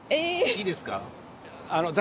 いいですか？